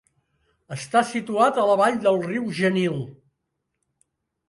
Està situat a la vall del riu Genil.